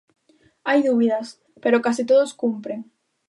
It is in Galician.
Hai dúbidas, pero case todos cumpren.